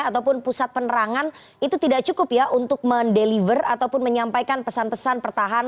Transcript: ataupun pusat penerangan itu tidak cukup ya untuk mendeliver ataupun menyampaikan pesan pesan pertahanan